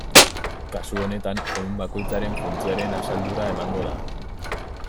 Kasu honetan ehun bakoitzaren funtzioaren asaldura emango da.